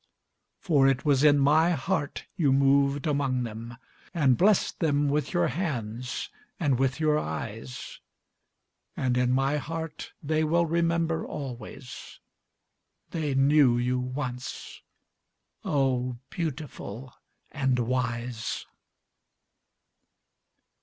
For it was in my heart you moved among them, And blessed them with your hands and with your eyes; And in my heart they will remember always, — They knew you once, O beautiful and wise.